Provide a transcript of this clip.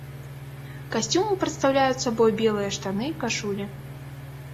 Касцюмы прадстаўляюць сабой белыя штаны і кашулі.